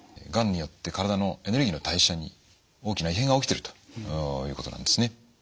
がんによって体のエネルギーの代謝に大きな異変が起きてるということなんですね。